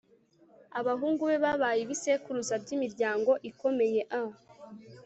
abahungu be babaye ibisekuruza by'imiryango ikomeye a